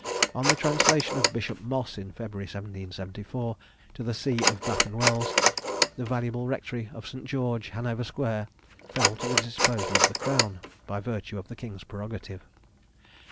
On the translation of Bishop Moss, in February 1774, to the see of Bath and Wells, the valuable rectory of St. George, Hanover square, fell to the disposal of the Crown, by virtue of the King's prerogative.